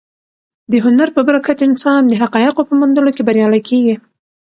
د هنر په برکت انسان د حقایقو په موندلو کې بریالی کېږي.